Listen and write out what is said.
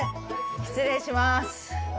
失礼します。